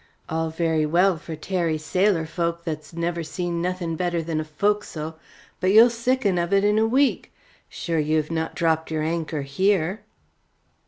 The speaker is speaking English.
All very well for tarry sailor folk that's never seen nothing better than forecastle. But you'll sicken of it in a week. Sure, you have not dropped your anchor here."